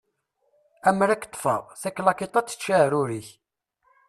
Amer ad k-ṭṭfeɣ, taklakiḍt ad d-tečč aεrur-ik!